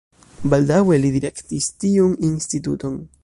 Baldaŭe li direktis tiun instituton.